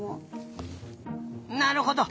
なるほど！